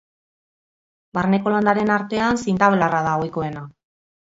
Barneko landareen artean zinta-belarra da ohikoena.